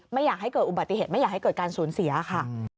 ไม่อยากให้เกิดอุบัติเหตุไม่อยากให้เกิดการสูญเสียค่ะ